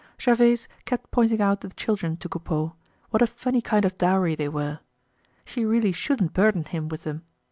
Gervaise kept pointing out the children to Coupeau, what a funny kind of dowry they were. She really shouldn't burden him with them.